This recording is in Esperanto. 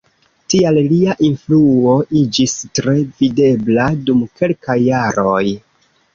Tial lia influo iĝis tre videbla dum kelkaj jaroj.